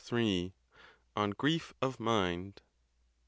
ON GRIEF OF MIND.